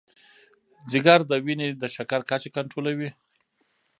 جگر د وینې د شکر کچه کنټرول کوي.